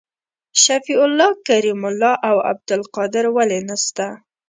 شفیع الله کریم الله او عبدالقادر ولي نسته؟